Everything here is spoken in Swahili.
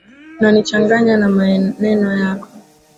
Unanichanganya na maneno yako.